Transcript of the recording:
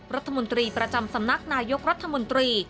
รัฐมนตรีประจำสำนักนายกรัฐมนตรี